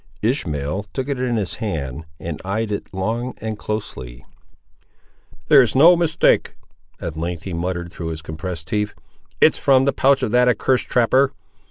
Ishmael took it in his hand and eyed it long and closely. "There's no mistake," at length he muttered through his compressed teeth. "It is from the pouch of that accursed trapper.